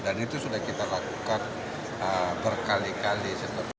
itu sudah kita lakukan berkali kali